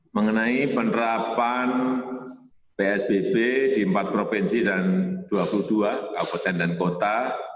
mengenai penerapan psbb di empat provinsi dan dua puluh dua kabupaten dan kota